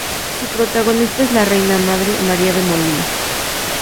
Su protagonista es la reina-madre María de Molina.